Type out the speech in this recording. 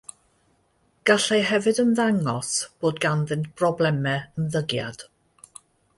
Gallai hefyd ymddangos bod ganddynt broblemau ymddygiad.